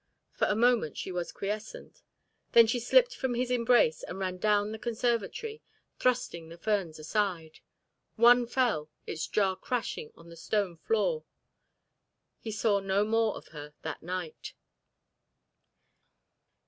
For a moment she was quiescent; then she slipped from his embrace and ran down the conservatory, thrusting the ferns aside. One fell, its jar crashing on the stone floor. He saw no more of her that night.